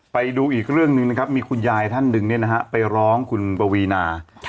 ไปดูอีกเรื่องหนึ่งนะครับมีคุณยายท่านหนึ่งไปร้องคุณปวีนา